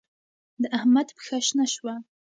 د احمد پښه شنه شوه.